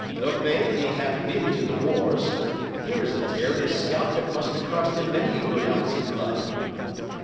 "Though, faith, he hath been to the wars. Here is a tear in his scalp that must 'a' cost him many a good ounce of blood."